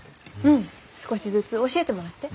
うん少しずつ教えてもらって。